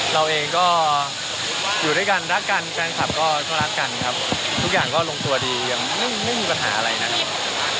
เราเองก็อยู่ด้วยกันรักกันแฟนคลับก็รักกันครับทุกอย่างก็ลงตัวดียังไม่มีปัญหาอะไรนะครับ